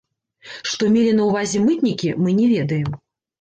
Што мелі на ўвазе мытнікі, мы не ведаем.